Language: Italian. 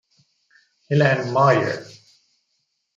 Helene Mayer